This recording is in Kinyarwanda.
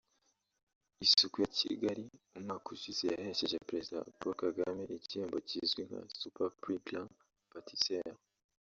Isuku ya Kigali umwaka ushize yahesheje Perezida Paul Kagame igihembo cyizwi nka ‘Super Prix/Grand Batisseur